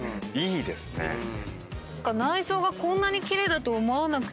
内装がこんなに奇麗だと思わなくて。